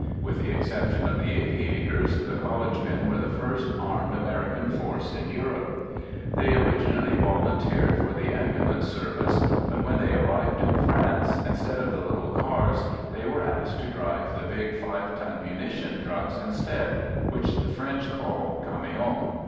fWith the exception of the aviators, the college men were the first armed American force in Europe. They originally volunteered for the ambulance serv ice. But when they arrived in France, instead of the little cars, they were asked to drive the big five ton munition trucks instead, which the French call " camions."